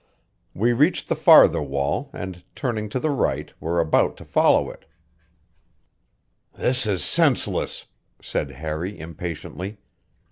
We reached the farther wall and, turning to the right, were about to follow it. "This is senseless," said Harry impatiently.